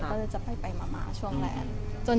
ก็เลยจะไปช่วงแลนด์